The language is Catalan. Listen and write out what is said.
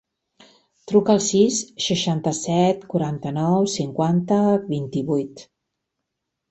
Truca al sis, seixanta-set, quaranta-nou, cinquanta, vint-i-vuit.